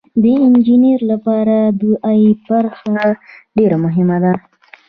د انجینر لپاره د ای برخه ډیره مهمه ده.